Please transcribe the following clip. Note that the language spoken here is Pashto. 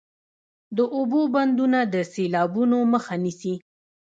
د اوبو بندونه د سیلابونو مخه نیسي